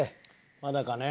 まだかね？